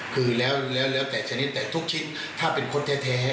คือแล้วแล้วแล้วแต่ชนิดแต่ทุกชิ้นถ้าเป็นคดแท้